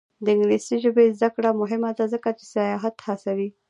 د انګلیسي ژبې زده کړه مهمه ده ځکه چې سیاحت هڅوي.